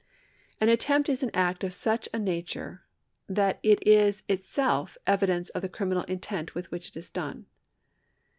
An attempt is an act of such a nature that it is itself evidence of the criminal intent with which it is done.